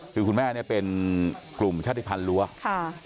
คือคุณแม่เป็นกลุ่มชาติพันธ์ล้วนค่ะ